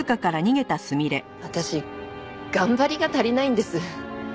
私頑張りが足りないんです。